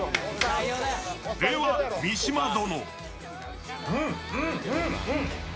では、三島殿。